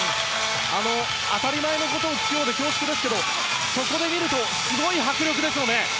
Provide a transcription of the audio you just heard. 当たり前のことを聞くようで恐縮ですがそこで見るとすごい迫力ですよね？